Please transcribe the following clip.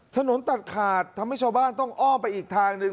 ถนนตัดขาดทำให้ชาวบ้านต้องอ้อมไปอีกทางหนึ่ง